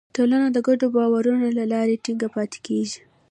ټولنه د ګډو باورونو له لارې ټینګه پاتې کېږي.